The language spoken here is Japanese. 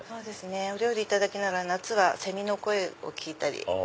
お料理いただきながら夏はセミの声を聞いたり。